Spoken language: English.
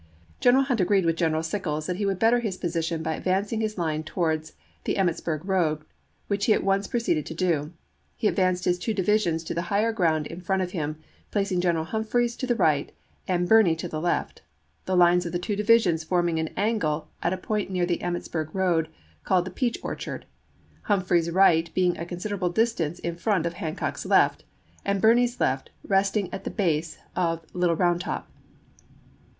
General Hunt agreed with General Sickles that he would better his position by advancing his line towards the 250 ABEAHAM LINCOLN dhap. ix. Emmitsburg road,1 which he at once proceeded to do. He advanced his two divisions to the higher ground in front of him, placing Greneral Humphreys to the right and Birney to the left, the lines of the two divisions forming an angle at a point near the Emmitsburg road called the Peach Orchard, Humphreys's right being a considerable distance in front of Hancock's left, and Birney's left resting at the base of Little Eound Top.